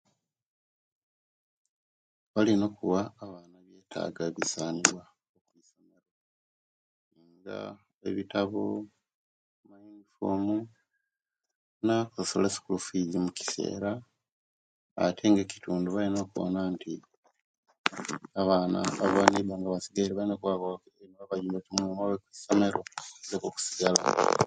Balina okuwa abaana ebyetaga ebisaniwa nga ebitabo, uniform na okusasula school fees mukiseera ate nga ekitundu balina okuwona nti abana aba neyibba nga basigaire balina okkuwona nti